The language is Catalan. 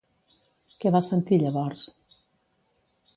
Què va sentir llavors?